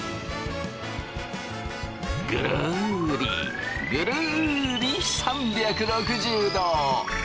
ぐるりぐるり３６０度！